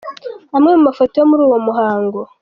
Amwe mu mafoto yo muri uwo muhango:.